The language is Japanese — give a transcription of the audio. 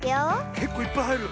けっこういっぱいはいる。